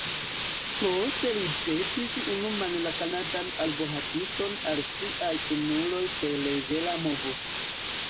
Poste li ĵetis unumane la kanadan arbohakiston al siaj kunuloj per leĝera movo.